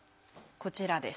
こちらです。